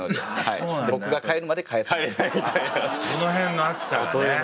その辺の熱さがね。